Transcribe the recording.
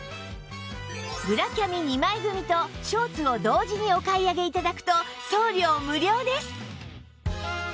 ブラキャミ２枚組とショーツを同時にお買い上げ頂くと送料無料です